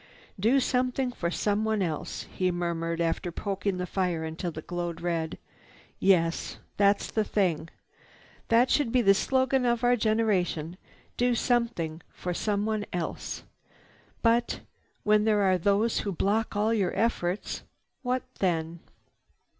"Do something for someone else," he murmured after poking the fire until it glowed red. "Yes, that's the thing. That should be the slogan of our generation—do something for someone else. But when there are those who block all your efforts, what then?"